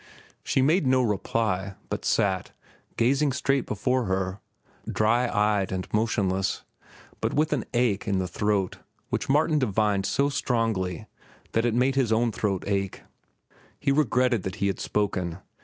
She made no reply, but sat, gazing straight before her, dry eyed and motionless, but with an ache in the throat which Martin divined so strongly that it made his own throat ache. He regretted that he had spoken.